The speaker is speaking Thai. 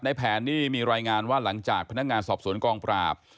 แผนนี่มีรายงานว่าหลังจากพนักงานสอบสวนกองปราบ